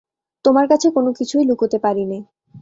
তোমার কাছে কোনো কিছুই লুকোতে পারি নে।